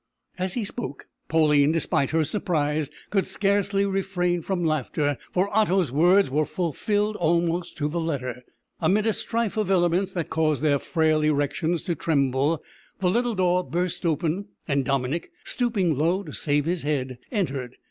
As he spoke, Pauline, despite her surprise, could scarcely refrain from laughter, for Otto's words were fulfilled almost to the letter. Amid a strife of elements that caused their frail erections to tremble, the little door burst open, and Dominick, stooping low to save his head, entered.